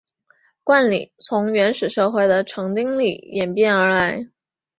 冠礼从原始社会的成丁礼演变而来。